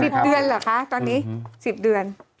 เดือนเหรอคะตอนนี้๑๐เดือน